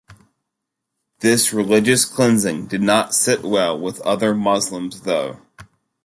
This religious cleansing did not sit well with other Muslims though.